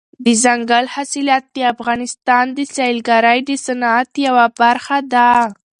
دځنګل حاصلات د افغانستان د سیلګرۍ د صنعت یوه برخه ده.